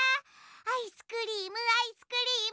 アイスクリームアイスクリーム！